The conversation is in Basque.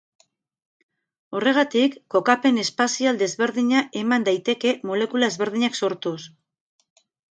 Horregatik, kokapen espazial desberdina eman daiteke, molekula ezberdinak sortuz.